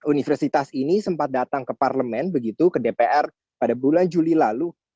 universitas ini sempat datang ke parlemen begitu ke dpr pada bulan juli lalu